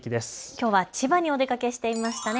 きょうは千葉にお出かけしていましたね。